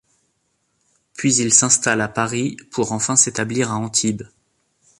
Puis ils s'installent à Paris pour enfin s'établir à Antibes.